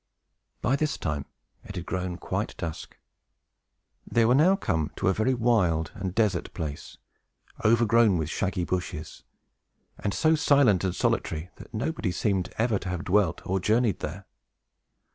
By this time it had grown quite dusk. They were now come to a very wild and desert place, overgrown with shaggy bushes, and so silent and solitary that nobody seemed ever to have dwelt or journeyed there.